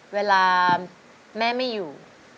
เวลาแม่ไม่อยู่